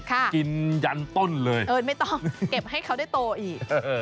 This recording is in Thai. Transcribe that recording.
กินยันต้นเลยเออไม่ต้องเก็บให้เขาได้โตอีก